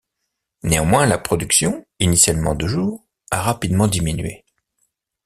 Néanmoins, la production, initialement de jour, a rapidement diminué.